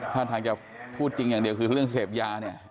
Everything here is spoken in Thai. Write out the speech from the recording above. ถ้าทางจะพูดจริงอย่างเดียวคือเรื่องเสพยาเนี่ย